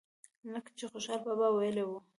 لکه چې خوشحال بابا وئيلي وو۔